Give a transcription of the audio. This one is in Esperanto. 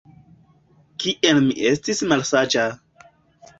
Kiel mi estis malsaĝa!